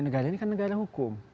negara ini kan negara hukum